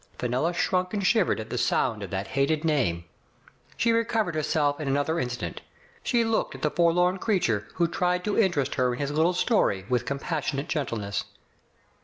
*' Fenella shrunk and shivered at the sound of that hated name. She recovered herself in an other instant. She looked at the forlorn crea ture, who tried to interest her in his little story, with compassionate gentleness.